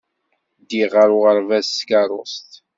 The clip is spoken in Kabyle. Ddiɣ ɣer uɣerbaz s tkeṛṛust.